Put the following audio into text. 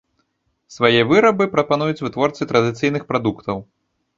Свае вырабы прапануюць вытворцы традыцыйных прадуктаў.